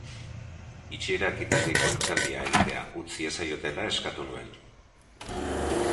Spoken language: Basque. Itxiera-ekitaldiko hitzaldia egitea utz ziezaiotela eskatu zuen.